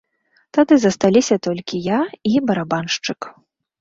Тады засталіся толькі я і барабаншчык.